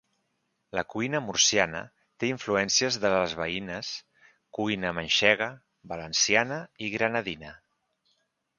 La cuina murciana té influències de les veïnes cuina manxega, valenciana i granadina.